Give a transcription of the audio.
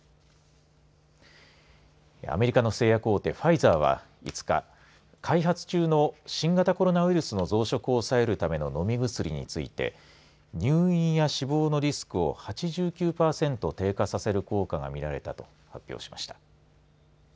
アメリカの製薬大手ファイザーは５日開発中の新型コロナウイルスの増殖を抑えるための飲み薬について入院や死亡のリスクを８９パーセント低下させる効果が見られたと発表しました。